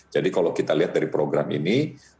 jadi kalau kita lihat dari program ini